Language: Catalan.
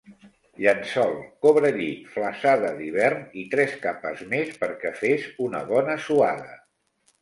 Llençol, cobrellit, flassada d'hivern i tres capes més perquè fes una bona suada.